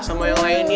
sama yang lainnya